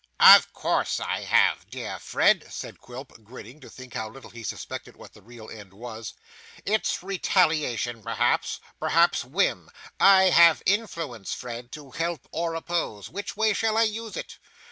'Of course I have, dear Fred,' said Quilp, grinning to think how little he suspected what the real end was. 'It's retaliation perhaps; perhaps whim. I have influence, Fred, to help or oppose. Which way shall I use it?